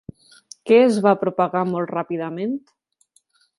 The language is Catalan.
Què es va propagar molt ràpidament?